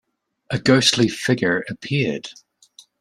A ghostly figure appeared.